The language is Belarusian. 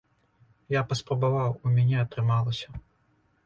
Я паспрабаваў, у мяне атрымалася.